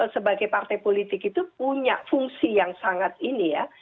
sebagai partai politik itu punya fungsi yang sangat ini ya